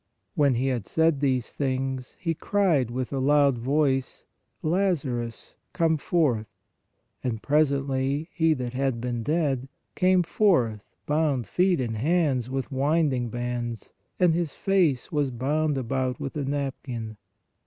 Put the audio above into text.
When He had said these things, He cried with a loud voice: Lazarus, come forth. And presently he that had been dead, came forth bound feet and hands with winding bands; and his face was bound about with a napkin.